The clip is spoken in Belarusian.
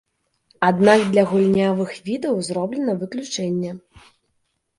Аднак для гульнявых відаў зроблена выключэнне.